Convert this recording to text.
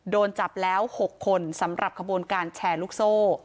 โดนจับแล้ว๖คนสำหรับขบวนการแชร์ลูกโซ่